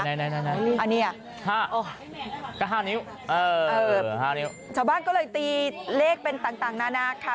อันนี้ก็๕นิ้ว๕นิ้วชาวบ้านก็เลยตีเลขเป็นต่างนานาค่ะ